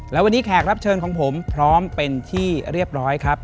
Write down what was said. และวันนี้แขกรับเชิญของผมพร้อมเป็นที่เรียบร้อยครับ